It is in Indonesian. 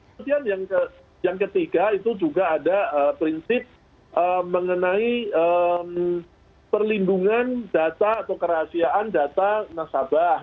kemudian yang ketiga itu juga ada prinsip mengenai perlindungan data atau kerahasiaan data nasabah